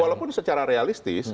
walaupun secara realistis